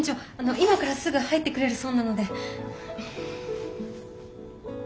今からすぐ入ってくれるそうなので。